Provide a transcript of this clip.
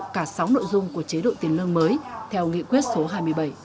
cả sáu nội dung của chế độ tiền lương mới theo nghị quyết số hai mươi bảy